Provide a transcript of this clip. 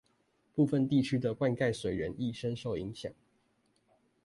部分地區的灌溉水源亦深受影響